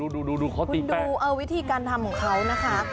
ดูเขาตีดูเอาวิธีการทำของเขานะคะ